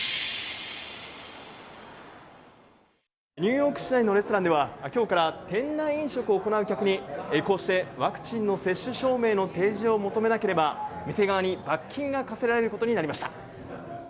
ニューヨーク市内のレストランでは、きょうから店内飲食を行う客に、こうしてワクチンの接種証明の提示を求めなければ、店側に罰金が科せられることになりました。